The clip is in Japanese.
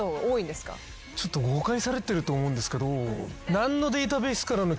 誤解されてると思うんですけど。